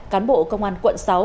cán bộ công an quận sáu